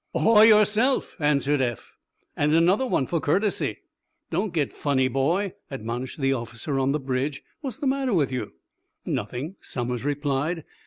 "Ahoy, yourself," answered Eph. "And another one for courtesy." "Don't get funny, boy!" admonished the officer on the bridge. "What's the matter with you?" "Nothing," Somers replied.